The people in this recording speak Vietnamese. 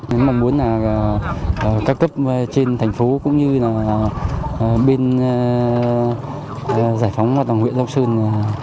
mình mong muốn là các cấp trên thành phố cũng như là bên giải phóng đồng huyện nam sơn